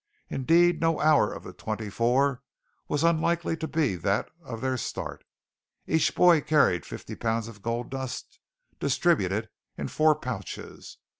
Indeed, no hour of the twenty four was unlikely to be that of their start. Each boy carried fifty pounds of gold dust distributed in four pouches.